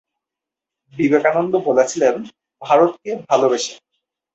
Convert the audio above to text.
বিবেকানন্দ বলেছিলেন, "ভারতকে ভালবেসে"।